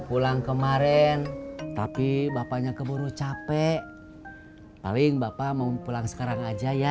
pulang kemarin tapi bapaknya keburu capek paling bapak mau pulang sekarang aja ya